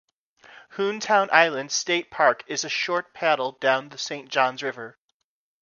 Hontoon Island State Park is a short paddle down the Saint Johns River.